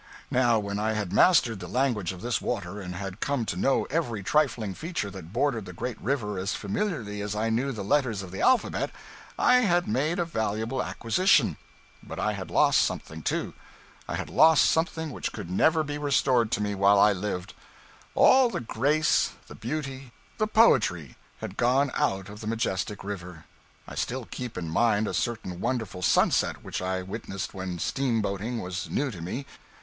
Now when I had mastered the language of this water and had come to know every trifling feature that bordered the great river as familiarly as I knew the letters of the alphabet, I had made a valuable acquisition. But I had lost something, too. I had lost something which could never be restored to me while I lived. All the grace, the beauty, the poetry had gone out of the majestic river! I still keep in mind a certain wonderful sunset which I witnessed when steamboating was new to me.